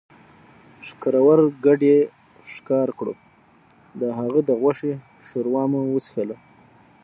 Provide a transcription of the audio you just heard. ښکرور ګډ ئې ښکار کړو، د هغه د غوښې ښوروا مو وڅښله